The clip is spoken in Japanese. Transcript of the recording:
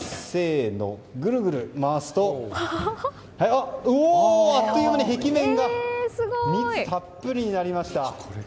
ぐるぐる回すとあっという間に壁面が蜜たっぷりになりました。